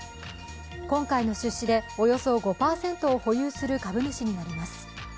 今回の出資でおよそ５％を保有する株主になります。